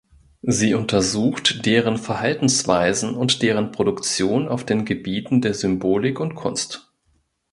Sie untersucht deren Verhaltensweisen und deren Produktion auf den Gebieten der Symbolik und Kunst.